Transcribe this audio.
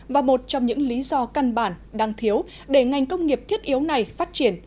và một trong những lý do căn bản đang thiếu để ngành công nghiệp thiết yếu này phát triển